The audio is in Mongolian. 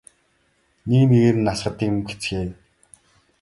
Нэг нэгээр нь асгадаг юм гэцгээв.